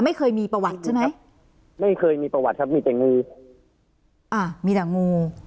ไม่เคยมีประวัติใช่ไหมไม่เคยมีประวัติครับมีแต่งูอ่ามีแต่งู